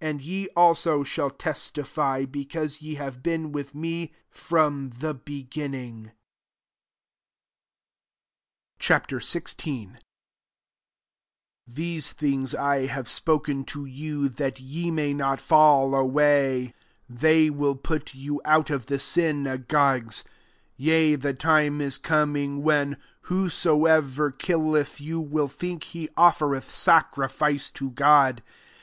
27 And ye also shall tn^ tify, because ye have been widi 9ie from the beginning. Ch. XVI. 1 " These thin^ I have spoken to you, that ye may not ^ away. 2 They wHI JOHN XVI. 18d put you out of the synagogues : yea, the time is coming, when whosoever killeth you wUl think he ofTereth sacrifice to God.